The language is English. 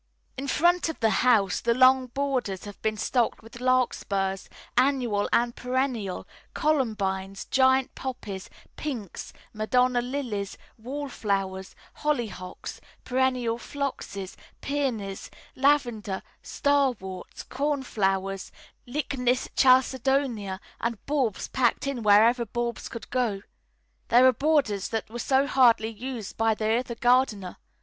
In front of the house the long borders have been stocked with larkspurs, annual and perennial, columbines, giant poppies, pinks, Madonna lilies, wallflowers, hollyhocks, perennial phloxes, peonies, lavender, starworts, cornflowers, Lychnis chalcedonica, and bulbs packed in wherever bulbs could go. These are the borders that were so hardly used by the other gardener.